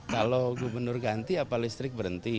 kalau gubernur ganti apalistrik berhenti